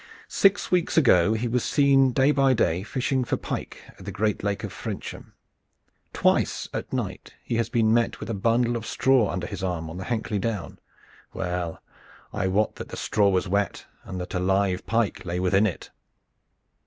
"Six weeks ago he was seen day by day fishing for pike at the great Lake of Frensham. Twice at night he has been met with a bundle of straw under his arm on the Hankley Down. Well, I wot that the straw was wet and that a live pike lay within it."